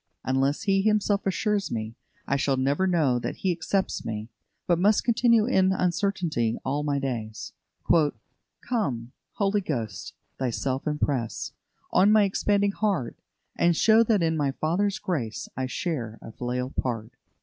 Unless He Himself assures me, I shall never know that He accepts me, but must continue in uncertainty all my days. "Come, Holy Ghost, Thyself impress On my expanding heart: And show that in the Father's grace I share a filial part."